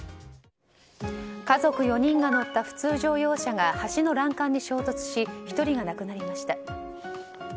家族４人が乗った普通乗用車が橋の欄干に衝突し１人が亡くなりました。